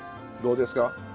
どうですか？